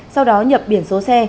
sau đó nhập biển số xe